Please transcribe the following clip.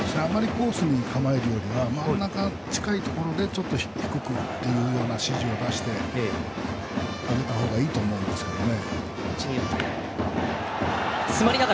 コースに構えるよりかは真ん中付近でちょっと低くという支持を出してあげたほうがいいと思うんですけどね。